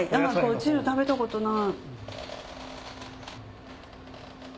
食べたことない。